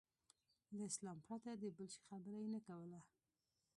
له اسلام پرته د بل شي خبره یې نه کوله.